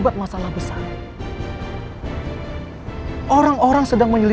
kalian tidak bisa berpulang advani mijn sabia